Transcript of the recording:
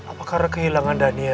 apakah karena kehilangan daniel